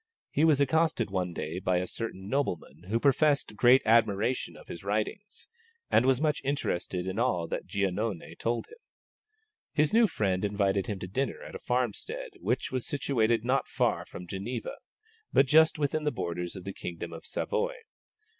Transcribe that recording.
He was accosted one day by a certain nobleman, who professed great admiration of his writings, and was much interested in all that Giannone told him. His new friend invited him to dinner at a farmstead which was situated not far from Geneva, but just within the borders of the kingdom of Savoy.